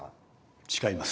誓います。